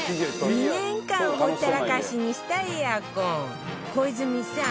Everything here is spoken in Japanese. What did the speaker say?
２年間ほったらかしにしたエアコン小泉さん